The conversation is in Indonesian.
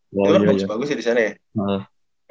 itu kan bagus bagus ya disana ya